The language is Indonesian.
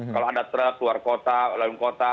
kalau ada track luar kota lewat kota